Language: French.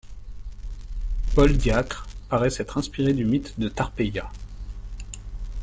Paul Diacre paraît s'être inspiré du mythe de Tarpeia.